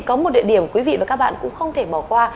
có một địa điểm quý vị và các bạn cũng không thể bỏ qua